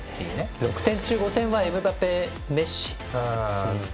６点中５点はエムバペ、メッシと。